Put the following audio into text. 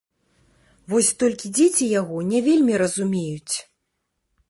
Вось толькі дзеці яго не вельмі разумеюць.